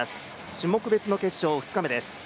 種目別の決勝２日目です。